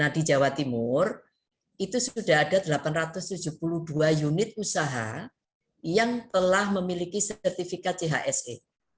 di jawa timur itu sudah ada delapan ratus tujuh puluh dua unit usaha yang telah memiliki sertifikat chse